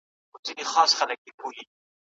ټولنه بايد تر تېر وخت ډېر پرمختګ وکړي.